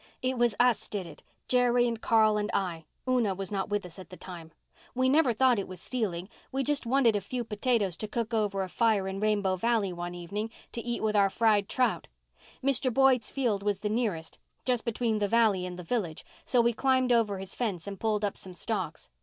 It was us did it—Jerry and Carl and I. Una was not with us at the time. We never thought it was stealing. We just wanted a few potatoes to cook over a fire in Rainbow Valley one evening to eat with our fried trout. Mr. Boyd's field was the nearest, just between the valley and the village, so we climbed over his fence and pulled up some stalks.